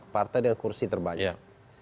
partai dengan kursi terbanyak